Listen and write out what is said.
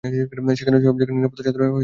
সেখানে সবজায়গা নিরাপত্তার চাদরে ঢাকা থাকবে।